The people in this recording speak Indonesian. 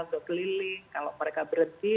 untuk keliling kalau mereka berhenti